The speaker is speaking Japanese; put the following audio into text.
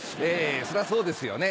そりゃそうですよね。